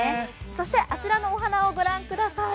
あちらのお花を御覧ください。